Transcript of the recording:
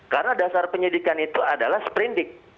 karena dasar penyidikan itu adalah seperindikan